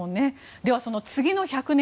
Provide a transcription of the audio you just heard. では、その次の１００年